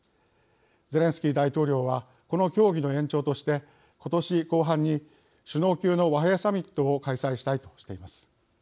ゼレンスキー大統領はこの協議の延長として今年後半に首脳級の和平サミットを開催したいとしています。